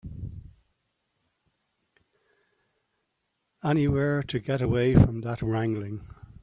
Anywhere to get away from that wrangling.